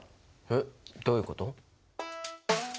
えっどういうこと？